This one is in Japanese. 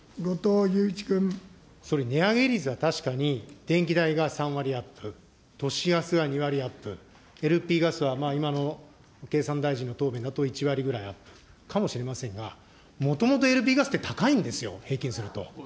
総理、値上げ率は確かに電気代は３割アップ、都市ガスは２割アップ、ＬＰガスは今の経産大臣の答弁だと１割ぐらいアップかもしれませんが、もともとＬＰガスって高いんですよ、平均すると。